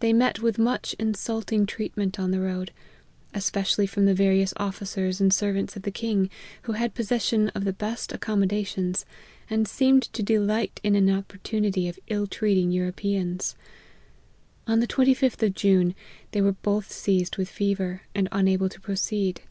They met with much insulting treatment on the road, especially from the various officers and servants of the king, who had possession of the best accommodations, and seemed to delight in an opportunity of ill treating Europe ans. On the 25th of June, they were both seized with fever, and unable to proceed.